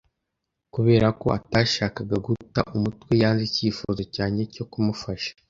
Kubera ko atashakaga guta umutwe, yanze icyifuzo cyanjye cyo kumufasha.